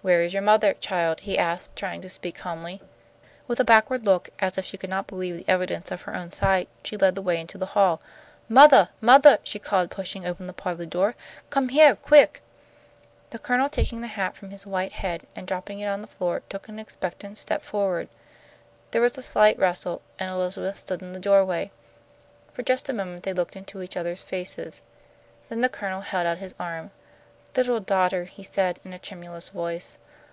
"Where is your mother, child?" he asked, trying to speak calmly. With a backward look, as if she could not believe the evidence of her own sight, she led the way into the hall. "Mothah! Mothah!" she called, pushing open the parlour door. "Come heah, quick!" The Colonel, taking the hat from his white head, and dropping it on the floor, took an expectant step forward. There was a slight rustle, and Elizabeth stood in the doorway. For just a moment they looked into each other's faces. Then the Colonel held out his arm. "Little daughter," he said, in a tremulous voice.